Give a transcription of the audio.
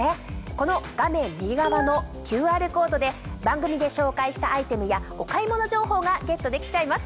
この画面右側のＱＲコードで番組で紹介したアイテムやお買い物情報がゲットできちゃいます。